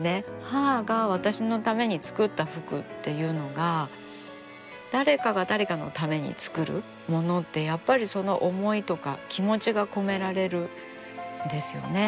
母が私のために作った服っていうのが誰かが誰かのために作るものってやっぱりその思いとか気持ちが込められるんですよね。